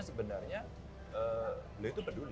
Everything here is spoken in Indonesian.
sebenarnya beliau itu peduli